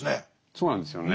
そうなんですよね。